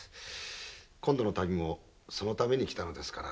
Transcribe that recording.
今度の旅もそのために来たのですから。